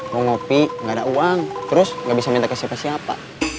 mau ngopi nggak ada uang terus nggak bisa minta ke siapa siapa